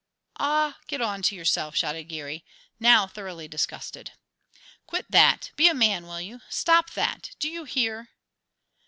"Ah, get on to yourself!" shouted Geary, now thoroughly disgusted. "Quit that! Be a man, will you? Stop that! do you hear?"